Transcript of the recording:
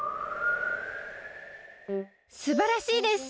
すばらしいです！